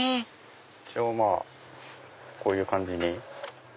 一応こういう感じに。